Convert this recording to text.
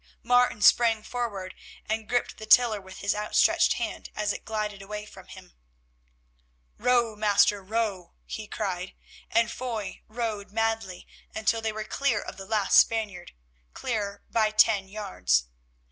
Martin sprang forward and gripped the tiller with his outstretched hand as it glided away from him. "Row, master, row," he cried, and Foy rowed madly until they were clear of the last Spaniard, clear by ten yards.